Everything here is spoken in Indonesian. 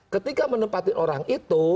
ketika menempatin orang itu